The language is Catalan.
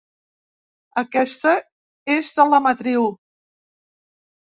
Aquesta és de la matriu.